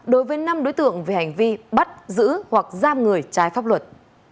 đối với năm đối tượng về hành vi bắt giữ hoặc giam người trái pháp luật